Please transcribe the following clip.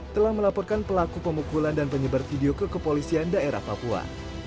telah melaporkan pelaku pemukulan dan penyebar video ke kepolisian daerah papua